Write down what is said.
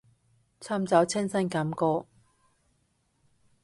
尋找清新感覺